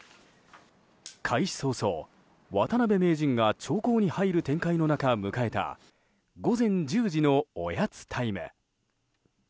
開始早々、渡辺名人が長考に入る展開の中迎えた午前１０時のおやつタイム。